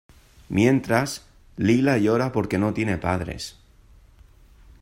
Mientras, Leela llora porque no tiene padres.